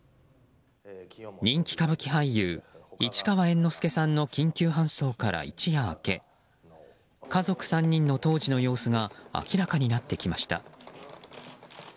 人気歌舞伎俳優市川猿之助さんの緊急搬送から一夜明け家族３人の当時の様子が明らかになってきました。